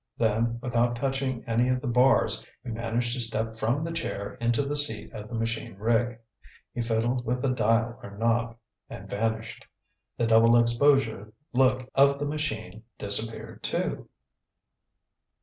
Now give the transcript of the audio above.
Then, without touching any of the bars, he managed to step from the chair into the seat of the machine rig. He fiddled with a dial or knob and vanished. The double exposure look of the machine disappeared too.